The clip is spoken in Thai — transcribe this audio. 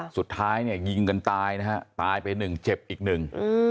สุดท้ายยิงกันตายตายไปหนึ่งเจ็บอีกหนึ่ง